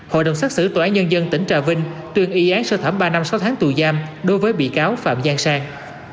hội đồng xác xử tòa án nhân dân tỉnh trà vinh tuyên y án sơ thẩm ba năm sáu tháng tù giam đối với bị cáo phạm giang sang